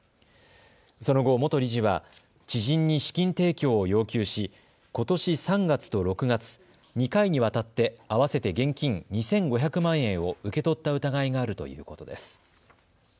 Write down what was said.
その後、元理事は知人に資金提供を要求しことし３月と６月、２回にわたって合わせて現金２５００万円を受け取った疑いがあるということです。